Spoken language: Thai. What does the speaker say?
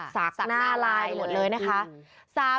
หน้าลายไปหมดเลยนะคะ